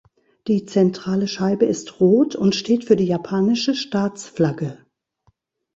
Die zentrale Scheibe ist rot und steht für die japanische Staatsflagge.